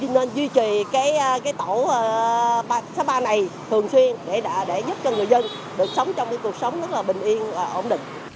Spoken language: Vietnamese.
nên duy trì tổ ba trăm sáu mươi ba này thường xuyên để giúp cho người dân được sống trong cuộc sống rất là bình yên và ổn định